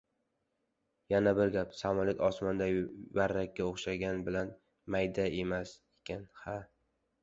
— Yana bir gap. Samolyot osmonda varrakka o‘xshagan bilan mayda emas ekan, ha!